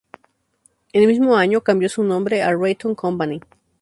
En el mismo año, cambió su nombre a Raytheon Company.